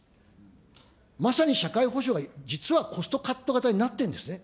まさに社会保障が、実はコストカット型になってんですね。